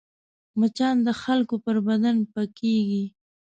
مچان د خلکو پر بدن پکېږي